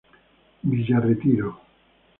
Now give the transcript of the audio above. Villa Retiro.